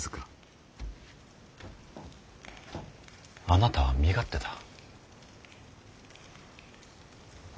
あなたは身勝手だ。